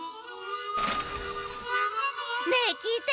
ねえきいて！